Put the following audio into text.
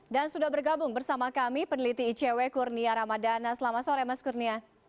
dan sudah bergabung bersama kami peneliti icw kurnia ramadana selamat sore mas kurnia